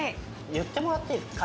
言ってもらっていいですか？